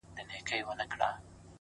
پوه انسان له پوښتنې نه شرمیږي